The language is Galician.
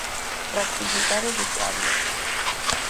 Rectificar é de sabios.